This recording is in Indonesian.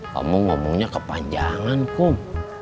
kamu ngomongnya kepanjangan kum